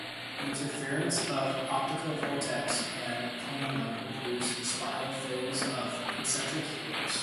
The interference of optical vortex and plane light will produce the spiral phase of concentric helix.